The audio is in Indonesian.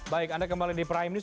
baik anda kembali di prime news